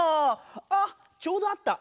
あっちょうどあった。